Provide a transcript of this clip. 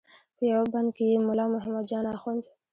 په یوه بند کې یې ملا محمد جان اخوند.